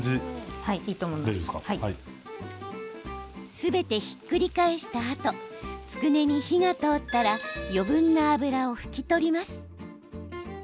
すべて、ひっくり返したあとつくねに火が通ったら余分な油を拭き取ります。